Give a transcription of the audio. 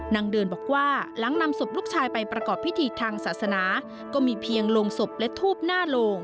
นางเดินบอกว่าหลังนำศพลูกชายไปประกอบพิธีทางศาสนาก็มีเพียงโรงศพและทูบหน้าโลง